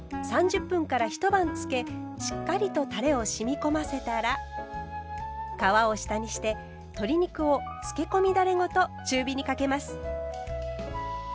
しっかりとたれを染み込ませたら皮を下にして鶏肉をつけ込みだれごと中火にかけます。